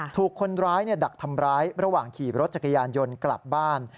ถูกคนร้ายดักทำร้ายระหว่างขี่รถจักรยานยนต์กลับบ้าน